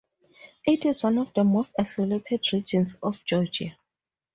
It is one of the most isolated regions of Georgia.